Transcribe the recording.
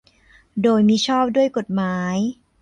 โดยมิชอบด้วยกฎหมาย